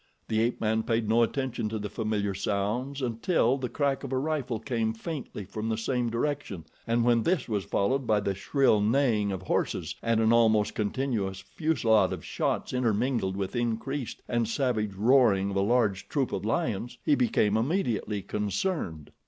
The ape man paid no attention to the familiar sounds until the crack of a rifle came faintly from the same direction, and when this was followed by the shrill neighing of horses, and an almost continuous fusillade of shots intermingled with increased and savage roaring of a large troop of lions, he became immediately concerned.